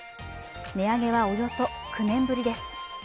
値上げは、およそ９年ぶりです。